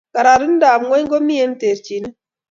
Kararaindap ngony komi eng terchinet